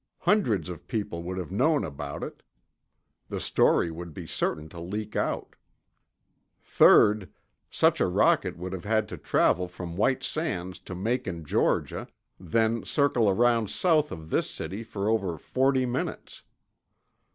Hundreds of people would have known about it; the story would be certain to leak out. Third, such a rocket would have had to travel from White Sands to Macon, Georgia, then circle around south of this city for over forty minutes.